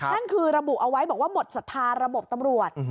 นั่นคือระบุเอาไว้บอกว่าหมดศรัทธาระบบตำรวจ